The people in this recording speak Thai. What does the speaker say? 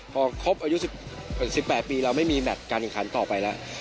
พอครบอายุ๑๘ปีแล้วไม่มีแบตการกังขันต่อไปแล้ว